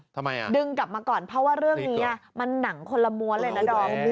ทำไมอ่ะดึงกลับมาก่อนเพราะว่าเรื่องนี้มันหนังคนละม้วนเลยนะดอม